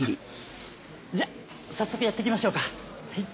じゃあ早速やっていきましょうか。